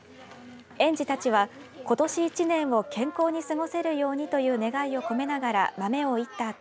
園児たちは、ことし１年を健康に過ごせるようにという願いを込めながら豆をいった